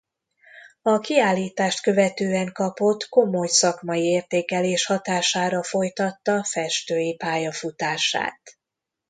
A kiállítást követően kapott komoly szakmai értékelés hatására folytatta festői pályafutását.